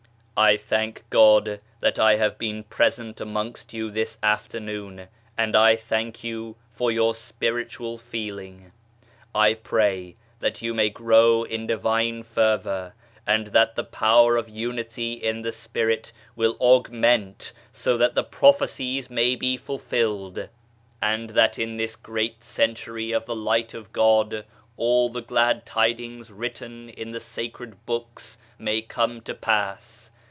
I thank God that I have been present amongst you this afternoon, and I thank you for your spiritual feeling. I pray that you may grow in Divine fervour, and that the Power of Unity in the Spirit will augment, so that the prophecies may be fulfilled, and that in this 8o EVOLUTION OF THE SPIRIT great century of the Light of God all the glad tidings written in the Sacred Books may come to pass.